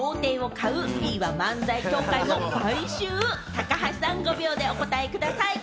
高橋さん、５秒でお答えください。